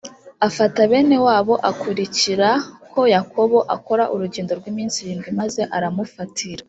afata bene wabo akurikirak yakobo akora urugendo rw iminsi irindwi maze amufatira